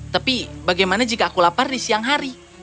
tapi bagaimana jika aku lapar di siang hari